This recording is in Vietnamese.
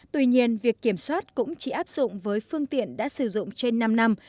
tuy nhiên việc kiểm soát cũng chỉ áp dụng với phương tiện đã sử dụng trên năm năm